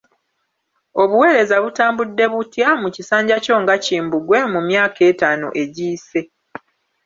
Obuweereza butambudde butya mu kisanja kyo nga Kimbugwe mu myaka etaano egiyise?